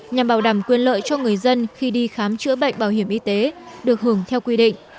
nhằm bảo đảm quyền lợi cho người dân khi đi khám chữa bệnh bảo hiểm y tế được hưởng theo quy định